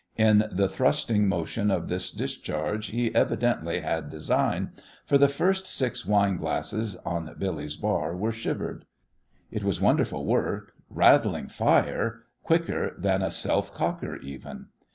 In the thrusting motion of this discharge he evidently had design, for the first six wine glasses on Billy's bar were shivered. It was wonderful work, rattling fire, quicker than a self cocker even.